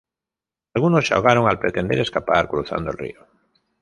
Algunos se ahogaron al pretender escapar cruzando el río.